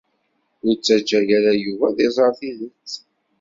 Ur ttajja ara Yuba ad iẓer tidet.